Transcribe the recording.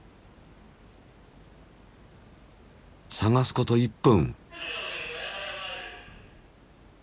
探すこと１分。